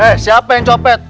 hei siapa yang copet